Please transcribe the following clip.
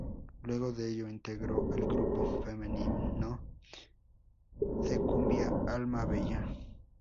Luego de ello integró el grupo femenino de cumbia Alma Bella.